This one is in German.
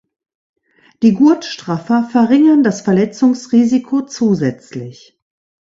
Die Gurtstraffer verringern das Verletzungsrisiko zusätzlich.